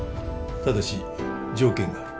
ただし条件がある。